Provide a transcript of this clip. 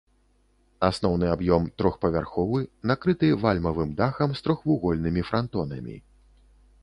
Асноўны аб'ём трохпавярховы, накрыты вальмавым дахам з трохвугольнымі франтонамі.